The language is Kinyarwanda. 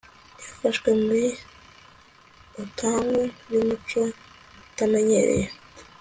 yafashwe muri octagon yumucyo utamenyereye